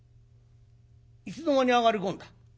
いつの間に上がり込んだ？